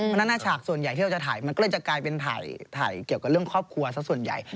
เพราะฉะนั้นหน้าฉากส่วนใหญ่ที่เราจะถ่ายมันก็เลยจะกลายเป็นถ่ายเกี่ยวกับเรื่องครอบครัวสักส่วนใหญ่